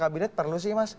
kabinet perlu sih mas